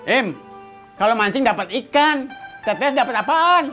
em kalau mancing dapat ikan tts dapat apaan